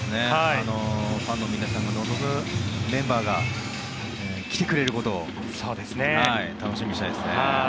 ファンの皆さんが望むメンバーが来てくれることを楽しみにしたいですね。